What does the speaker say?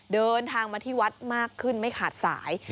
เดินทางมาที่วัดมากขึ้นไม่ขาดสาย